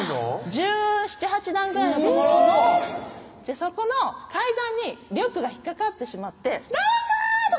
１７１８段ぐらいの所のそこの階段にリュックが引っ掛かってしまって「誰か！